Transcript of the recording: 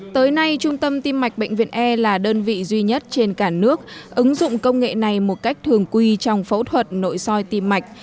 tới nay trung tâm tim mạch bệnh viện e là đơn vị duy nhất trên cả nước ứng dụng công nghệ này một cách thường quy trong phẫu thuật nội soi tim mạch